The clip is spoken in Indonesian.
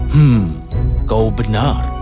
hmm kau benar